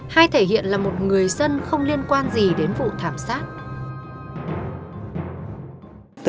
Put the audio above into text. hay thể hiện là một người dân không liên quan gì đến vụ thảm sát